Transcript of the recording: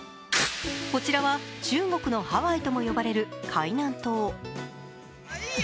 こちらは中国のハワイとも呼ばれる海南島。